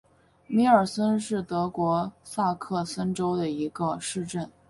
米尔森是德国萨克森州的一个市镇。